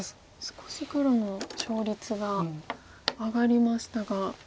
少し黒の勝率が上がりましたが。